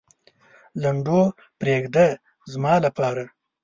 لنډو پرېږده زما لپاره.